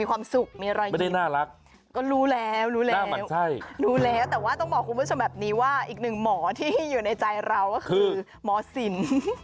มีความสุขมีรอยกินก็รู้แล้วรู้แล้วแต่ว่าต้องบอกคุณผู้ชมแบบนี้ว่าอีกหนึ่งหมอที่อยู่ในใจเราก็คือหมอสิน